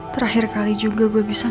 terakhir kali juga gue bisa